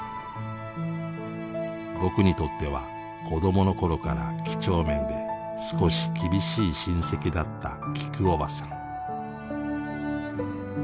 僕にとっては子どもの頃から几帳面で少し厳しい親戚だったきくおばさん。